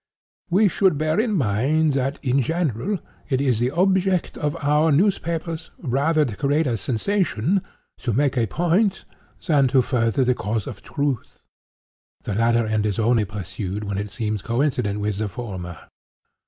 We should bear in mind that, in general, it is the object of our newspapers rather to create a sensation—to make a point—than to further the cause of truth. The latter end is only pursued when it seems coincident with the former.